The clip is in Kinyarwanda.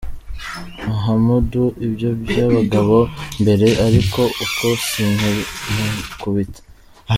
Muhamudu: Ibyo byabagaho mbere ariko ubu sinkimukubita.